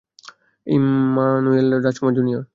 Emmanuel Rajkumar junior.